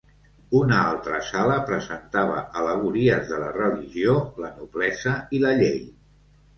Una altra sala presentava al·legories de la religió, la noblesa i la llei.